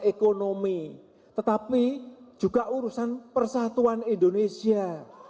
ekonomi tetapi juga urusan persatuan indonesia